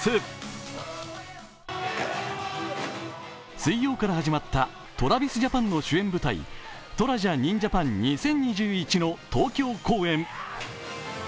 水曜から始まったＴｒａｖｉｓＪａｐａｎの主演舞台「虎者−ＮＩＮＪＡＰＡＮ−２０２１」の東京公演。